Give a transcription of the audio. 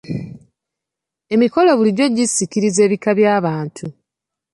Emikolo bulijjo gisikiriza ebika by'abantu.